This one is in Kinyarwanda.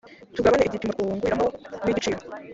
tugabanye igipimo twunguriramo n’igiciro,